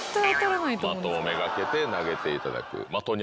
的を目がけて投げていただく。